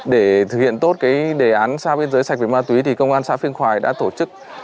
để thực hiện tốt đề án xã biên giới sạch biển ma tuy công an xã phiên khoài đã tổ chức